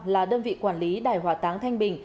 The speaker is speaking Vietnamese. là đơn vị quản lý đài hỏa táng thanh bình